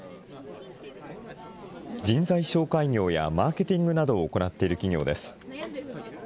人材紹介業やマーケティングなどを行っている企業です。